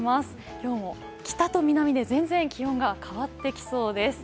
今日も北と南で全然気温が変わってきそうです。